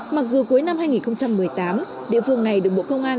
mặc dù cuối năm hai nghìn một mươi tám địa phương này được bộ công an